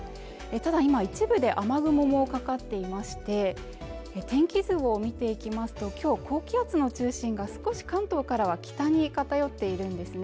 ただ今一部で雨雲もかかっていまして天気図を見ていきますときょう高気圧の中心が少し関東からは北に偏っているんですね